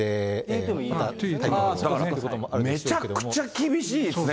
そうですね、めちゃくちゃ厳しいですね。